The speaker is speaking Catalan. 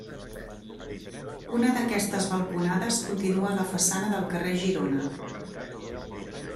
Una d'aquestes balconades continua a la façana del carrer Girona.